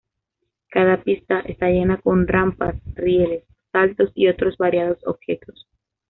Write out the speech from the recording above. Cada pista está llena con rampas, rieles, saltos y otros variados objetos.